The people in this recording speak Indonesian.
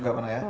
gak pernah ya